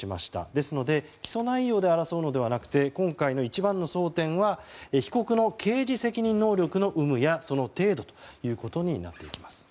ですので起訴内容で争うのではなくて今回の一番の争点は被告の刑事責任能力の有無や、その程度ということになってきます。